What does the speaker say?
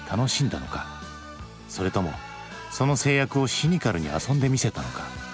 それともその制約をシニカルに遊んでみせたのか？